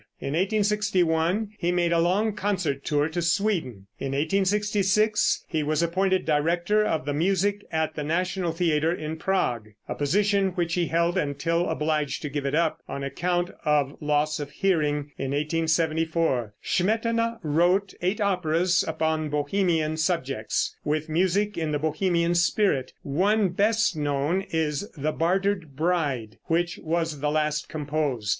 In 1861 he made a long concert tour to Sweden. In 1866 he was appointed director of the music at the national theater in Prague, a position which he held until obliged to give it up on account of loss of hearing in 1874. Smetana wrote eight operas upon Bohemian subjects, with music in the Bohemian spirit; one best known is "The Bartered Bride," which was the last composed.